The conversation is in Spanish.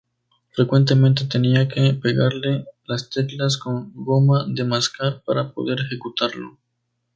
Frecuentemente tenía que pegarle las teclas con goma de mascar para poder ejecutarlo.